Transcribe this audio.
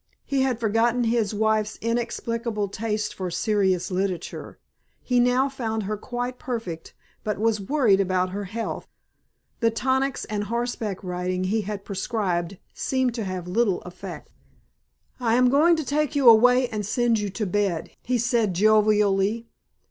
He had forgotten his wife's inexplicable taste for serious literature. He now found her quite perfect but was worried about her health. The tonics and horseback riding he had prescribed seemed to have little effect. "I am going to take you away and send you to bed," he said jovially.